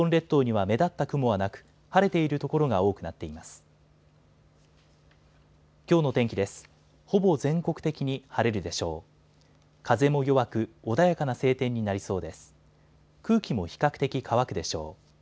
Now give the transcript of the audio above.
空気も比較的、乾くでしょう。